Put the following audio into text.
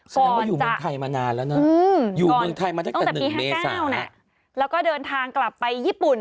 แสดงว่าอยู่เมืองไทยมานานแล้วนะอยู่เมืองไทยมาตั้งแต่๑๕๙แล้วก็เดินทางกลับไปญี่ปุ่น